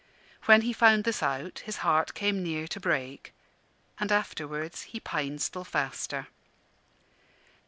When he found this out his heart came near to break; and afterwards he pined still faster.